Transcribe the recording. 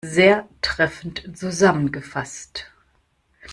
Sehr treffend zusammengefasst!